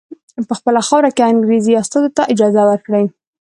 په خپله خاوره کې انګریزي استازو ته اجازه ورکړي.